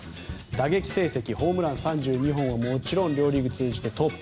打撃成績、ホームラン３２本はもちろん両リーグ通じてトップ。